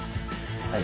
はい。